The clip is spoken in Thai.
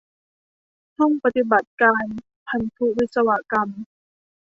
ห้องปฏิบัติการพันธุวิศกรรม